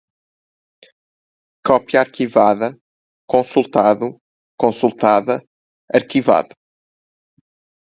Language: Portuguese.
Cópia arquivada, consultado, consultada, arquivado